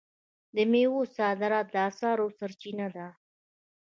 د میوو صادرات د اسعارو سرچینه ده.